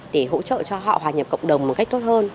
để hỗ trợ cho họ hòa nhập cộng đồng một cách tốt hơn